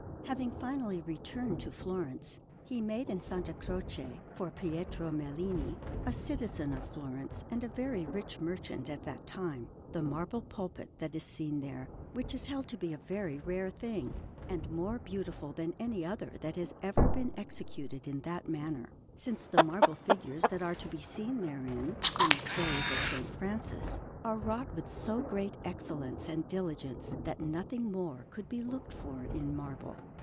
Having finally returned to Florence, he made in S. Croce, for Pietro Mellini, a citizen of Florence and a very rich merchant at that time, the marble pulpit that is seen there, which is held to be a very rare thing and more beautiful than any other that has ever been executed in that manner, since the marble figures that are to be seen therein, in the stories of S. Francis, are wrought with so great excellence and diligence that nothing more could be looked for in marble.